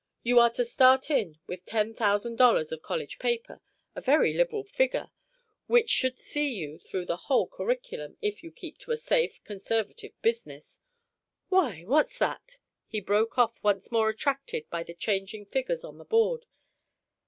You are to start in with ten thousand dollars of college paper, a very liberal figure, which should see you through the whole curriculum, if you keep to a safe, conservative business.... Why, what's that?" he broke off, once more attracted by the changing figures on the board.